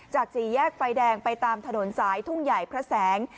สี่แยกไฟแดงไปตามถนนสายทุ่งใหญ่พระแสง